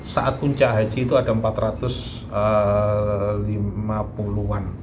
saat puncak haji itu ada empat ratus lima puluh an